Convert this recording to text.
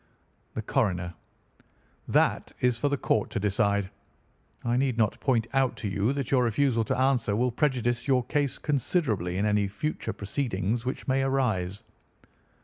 "The Coroner: That is for the court to decide. I need not point out to you that your refusal to answer will prejudice your case considerably in any future proceedings which may arise.